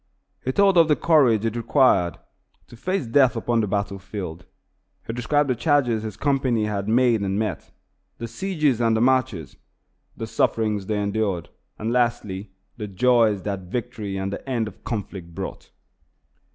He told of the courage it required to face death upon the battle field. He described the charges his company had made and met, the sieges and the marches, the sufferings they endured, and, lastly, the joys that victory and the end of the conflict brought.